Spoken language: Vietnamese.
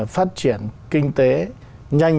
phát triển kinh tế nhanh